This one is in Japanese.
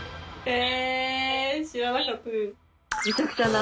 え？